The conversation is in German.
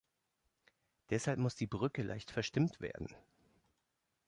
Deshalb muss die Brücke leicht verstimmt werden.